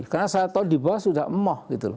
karena saya tahu di bawah sudah emoh gitu